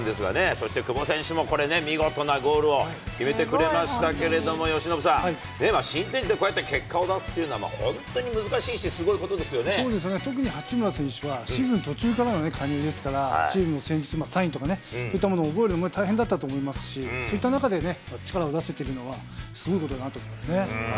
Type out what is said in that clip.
そして久保選手も、これね、見事なゴールを決めてくれましたけれども、由伸さん、新天地でこうやって結果を出すっていうのは、本当に難しいし、そうですね、特に八村選手は、シーズン途中からの加入ですから、チームの戦術、サインとかね、そういったものを覚えるのが大変だったと思いますし、そういった中で、力を出せているのは、すごいことだなと思いますね。